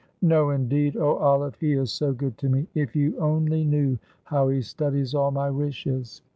"No, indeed! Oh, Olive, he is so good to me; if you only knew how he studies all my wishes.